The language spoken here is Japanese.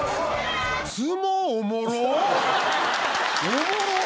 おもろっ！